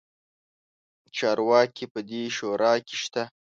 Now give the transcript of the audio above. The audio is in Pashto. چارواکي په دې شورا کې شته.